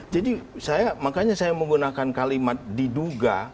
jadi saya makanya saya menggunakan kalimat diduga